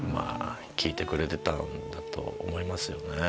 聞いてくれてたんだと思いますよね。